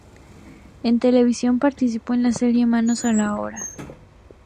En televisión, participó en la serie "Manos a la obra".